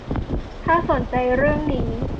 ถ้าสนใจเรื่องนี้